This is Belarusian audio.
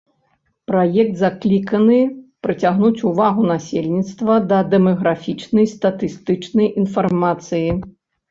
Праект закліканы прыцягнуць увагу насельніцтва да дэмаграфічнай статыстычнай інфармацыі.